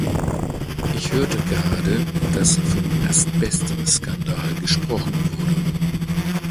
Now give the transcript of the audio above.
Ich hörte gerade, dass vom Asbestskandal gesprochen wurde.